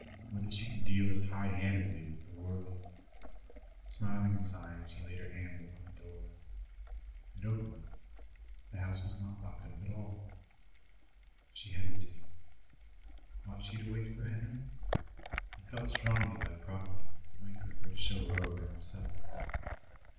Would that she could deal as high handedly with the world! Smiling and sighing, she laid her hand upon the door. It opened. The house was not locked up at all. She hesitated. Ought she to wait for Henry? He felt strongly about property, and might prefer to show her over himself.